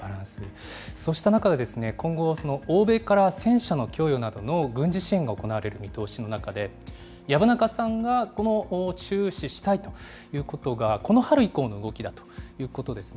そうした中で、今後、欧米から戦車の供与などの軍事支援が行われる見通しの中で、薮中さんが注視したいということが、この春以降の動きだということですね。